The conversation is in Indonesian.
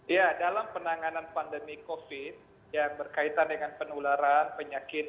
ya dalam penanganan pandemi covid yang berkaitan dengan penularan penyakit